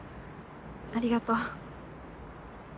ありがとう。